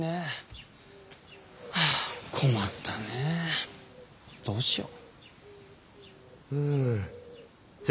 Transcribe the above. あ困ったねえどうしよう？